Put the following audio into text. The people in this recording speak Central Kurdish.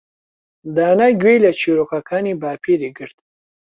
دانا گوێی لە چیرۆکەکانی باپیری گرت.